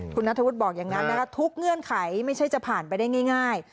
คุณนัทธวุฒิบอกอย่างนั้นนะคะทุกเงื่อนไขไม่ใช่จะผ่านไปได้ง่าย